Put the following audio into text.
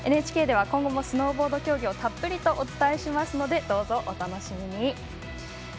ＮＨＫでは今後もスノーボード競技をたっぷりとお伝えしますのでどうぞ、お楽しみに。